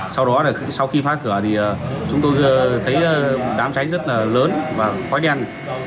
sau khi phá cửa chúng tôi thấy đám cháy rất lớn và khói đen